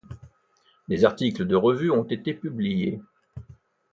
Des articles de revue ont été publiés.